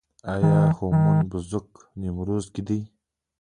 آیا هامون پوزک په نیمروز کې دی؟